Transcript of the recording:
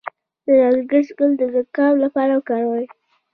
د نرګس ګل د زکام لپاره وکاروئ